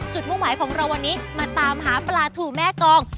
มุ่งหมายของเราวันนี้มาตามหาปลาถูแม่กอง